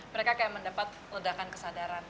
mereka mendapatkan ledakan kesadaran